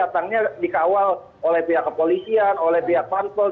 tapi datangnya dikawal oleh pihak kepolisian oleh pihak fanpage